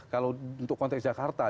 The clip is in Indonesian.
kalau untuk konteks jakarta